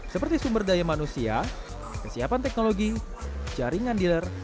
seperti sumber daya manusia kesiapan teknologi jaringan dealer